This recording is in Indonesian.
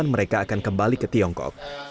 mereka akan kembali ke tiongkok